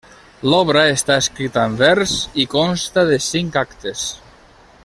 L'obra està escrita en vers i consta de cinc actes.